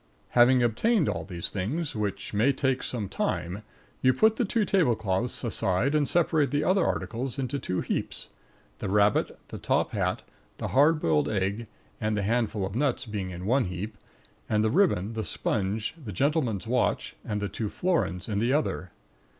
Having obtained all these things, which may take some time, you put the two tablecloths aside and separate the other articles into two heaps, the rabbit, the top hat, the hard boiled egg, and the handful of nuts being in one heap, and the ribbon, the sponge, the gentleman's watch and the two florins in the other.